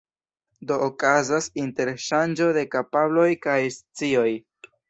Do okazas interŝanĝo de kapabloj kaj scioj.